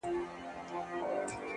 پوهه د انسان وزرونه پیاوړي کوي.!